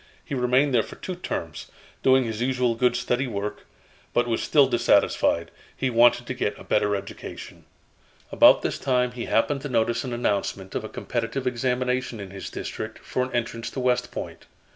He remained there for two terms, doing his usual good steady work, but was still dissatisfied. He wanted to get a better education. About this time he happened to notice an announcement of a competitive examination in his district for an entrance to West Point.